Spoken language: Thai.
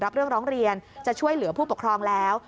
รับเรื่องร้องเรียนจะช่วยเหลือผู้ปกครองแล้ว